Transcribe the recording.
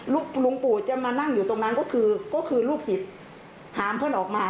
ลูกหลงปู่จะมานั่งอยู่ตรงนั้นก็คือลูกศิษย์หามขึ้นออกมา